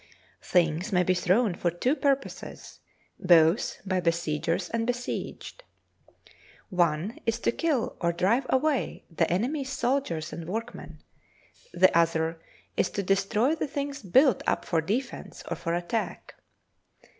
Things may be thrown for two purposes, both by besiegers and besieged. One is to kill or drive away the enemy's soldiers and workmen, the other is to destroy the things built up for defence or for attack.